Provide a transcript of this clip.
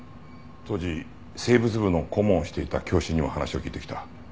当時生物部の顧問をしていた教師にも話を聞いてきた。